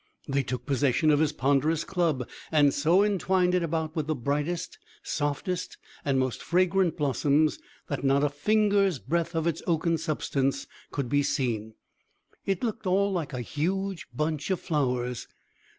They took possession of his ponderous club, and so entwined it about with the brightest, softest, and most fragrant blossoms that not a finger's breadth of its oaken substance could be seen. It looked all like a huge bunch of flowers.